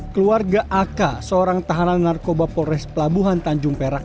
keluarga aka seorang tahanan narkoba polres pelabuhan tanjung perak